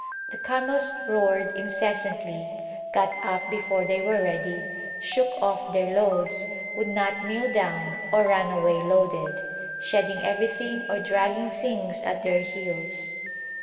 The camels roared incessantly, got up before they were ready, shook off their loads, would not kneel down or ran away loaded, shedding everything or dragging things at their heels.